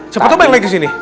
seperti apa yang naik ke sini